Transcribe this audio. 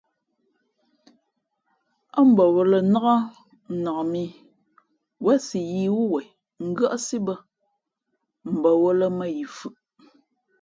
Ά mbαwᾱlᾱ nák mά nak mǐ zěn si yīī wú wen ngʉ́άʼsí bᾱ, mbαwᾱlᾱ mα̌ yi fʉʼ.